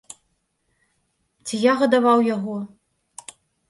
Ці я гадаваў яго?!